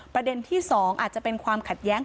ประเด็นที่๒อาจจะเป็นความขัดแย้ง